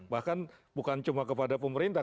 bahkan bukan cuma kepada pemerintah